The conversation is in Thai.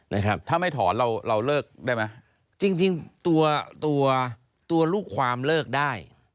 นะครับถ้าไม่ถอนเราเราเลิกได้ไหมจริงจริงตัวตัวตัวตัวลูกความเลิกได้